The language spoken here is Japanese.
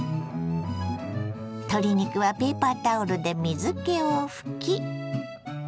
鶏肉はペーパータオルで水けを拭き。